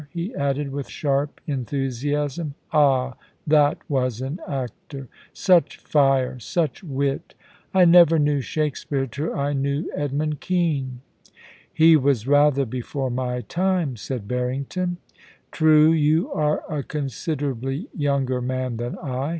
* he added with sharp en thusiasm. * Ah ! that was an actor ! Such fire ! such wit I I never knew Shakespeare till I knew Edmund Kean.' * He was rather before my time,' said Harrington. * True ; you are a considerably younger man than I.